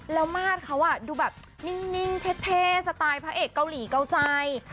แล้วมาตรเขาดูแบบนิ่งเท่สไตล์พระเอกเกาหลีเกาใจ